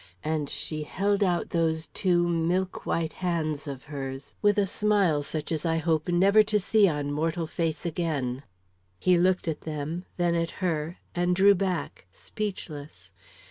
and she held out those two milk white hands of hers with a smile such as I hope never to see on mortal face again. He looked at them, then at her, and drew back speechless.